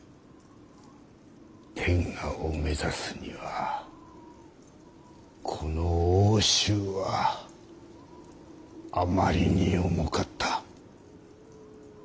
天下を目指すにはこの奥州はあまりに重かった。